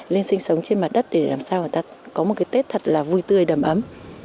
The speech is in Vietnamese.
lên sinh sống trên mặt đất để làm sao người ta có một cái tết thật là vui tươi đầm ấm